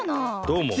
どうも。